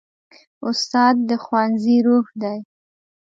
استاد د ښوونځي روح دی.